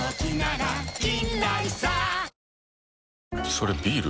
それビール？